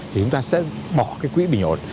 thì chúng ta sẽ bỏ cái quỹ bình ổn